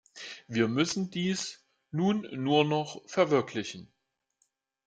Wir müssen dies nun nur noch verwirklichen.